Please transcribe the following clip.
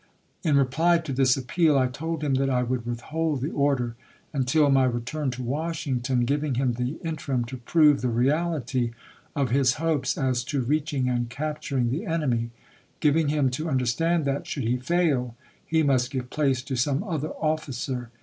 In reply to this appeal, I told him that I would withhold the order until my return to Washington, giv ing him the interim to prove the reality of his hopes as to reaching and capturing the enem\^, giving him to understand that, should he fail, he must give place to some other officer.